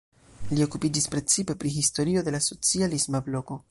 Li okupiĝis precipe pri historio de la socialisma bloko.